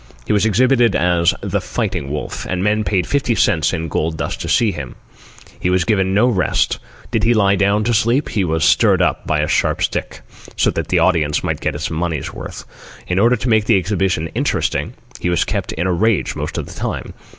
He was exhibited as "the Fighting Wolf," and men paid fifty cents in gold dust to see him. He was given no rest. Did he lie down to sleep, he was stirred up by a sharp stick—so that the audience might get its money's worth. In order to make the exhibition interesting, he was kept in a rage most of the time.